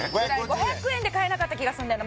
５００円で買えなかった気がすんだよな